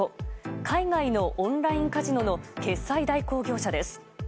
海外のオンラインカジノの決済代行業者です。